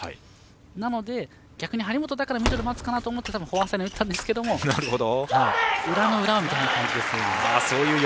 なので、逆に張本だからミドルに待つかなと思ってフォアサイドに打ったんですけど裏の裏を見た感じですね。